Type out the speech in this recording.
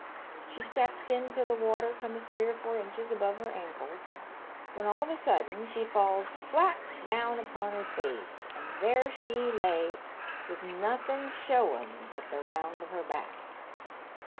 She steps in till the water comes three or four inches above her ankles, when all of a sudden she falls flat down upon her face, and there she lay, with nothen showing but the round of her back.